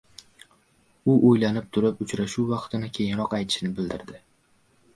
U oʻylanib turib, uchrashuv vaqtini keyinroq aytishini bildirdi.